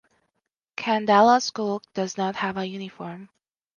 Khandallah School does not have a uniform.